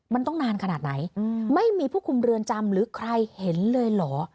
มันต้องนานขนาดไหนไม่มีผู้คุมเรือนจำหรือใครเห็นเลยเหรอ